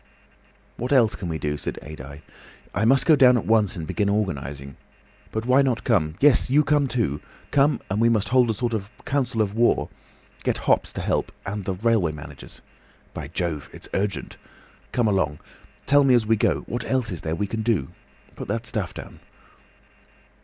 "What else can we do?" said Adye. "I must go down at once and begin organising. But why not come? Yes—you come too! Come, and we must hold a sort of council of war—get Hopps to help—and the railway managers. By Jove! it's urgent. Come along—tell me as we go. What else is there we can do? Put that stuff down."